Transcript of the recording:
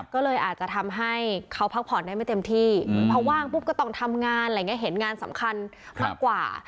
ก็เลยอาจจะทำให้เขาพักผ่อนได้ไม่เต็มที่เพราะว่างปุ๊บก็ต้องทำงานอะไรอย่างนี้เห็นงานสำคัญมากกว่า